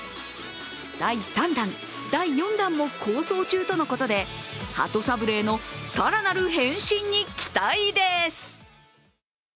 第３弾、第４弾も構想中とのことで鳩サブレーの更なる変身に期待です。